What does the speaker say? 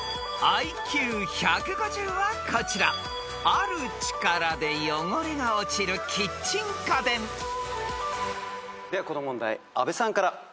［ある力で汚れが落ちるキッチン家電］ではこの問題阿部さんから。